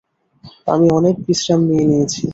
আমি অনেক বিশ্রাম নিয়ে নিয়েছি।